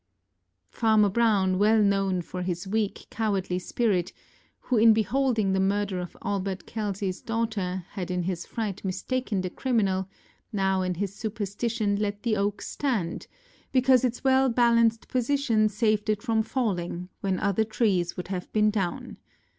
Farmer Brown, well known for his weak, cowardly spirit, who in beholding the murder of Albert KelseyŌĆÖs daughter, had in his fright mistaken the criminal, now in his superstition let the oak stand, because its well balanced position saved it from falling, when other trees would have been down.